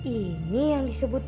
ini yang disebutnya